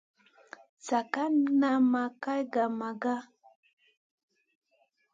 Caga nan ma kal gah Maga.